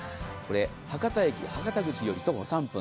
博多駅、博多口より徒歩３分。